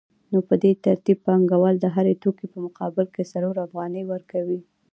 نو په دې ترتیب پانګوال د هر توکي په مقابل کې څلور افغانۍ ورکوي